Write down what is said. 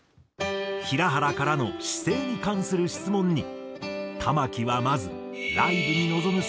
平原からの姿勢に関する質問に玉置はまずライブに臨む